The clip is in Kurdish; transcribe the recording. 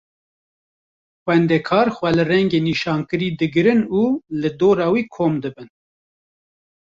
Xwendekar xwe li rengê nîşankirî digirin û li dora wî kom dibin.